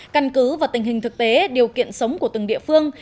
căn cứ vào tình hình thực tế điều kiện sống của từng địa phương